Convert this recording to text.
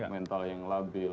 mental yang labil